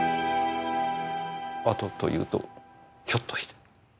「あと」というとひょっとして？